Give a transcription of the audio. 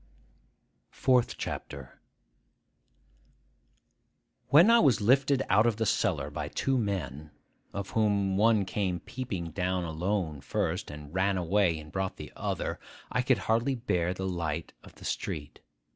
FOURTH CHAPTER WHEN I was lifted out of the cellar by two men, of whom one came peeping down alone first, and ran away and brought the other, I could hardly bear the light of the street.